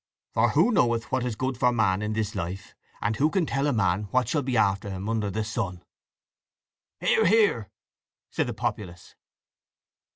'For who knoweth what is good for man in this life?—and who can tell a man what shall be after him under the sun?'" "Hear, hear," said the populace.